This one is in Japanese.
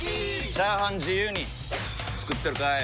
チャーハン自由に作ってるかい！？